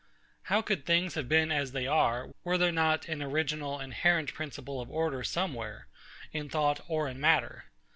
How could things have been as they are, were there not an original inherent principle of order somewhere, in thought or in matter?